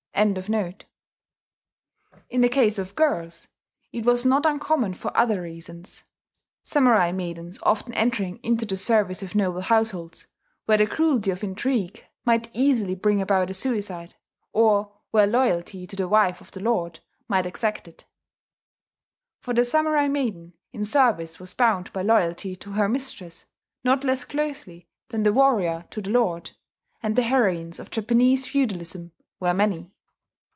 '] In the case of girls it was not uncommon for other reasons, samurai maidens often entering into the service of noble households, where the cruelty of intrigue might easily bring about a suicide, or where loyalty to the wife of the lord might exact it. For the samurai maiden in service was bound by loyalty to her mistress not less closely than the warrior to the lord; and the heroines of Japanese feudalism were many.